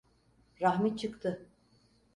Rahmi çıktı.